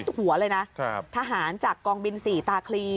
หัวเลยนะครับทหารจากกองบิน๔ตาคลี